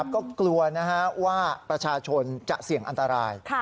ก็กลัวว่าประชาชนจะเสี่ยงอันตราย